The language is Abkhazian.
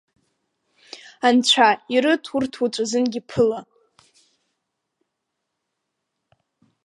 Анцәа ирыҭ урҭ уаҵәызынгьы ԥыла!